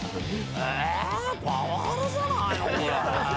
「えパワハラじゃないのこれ」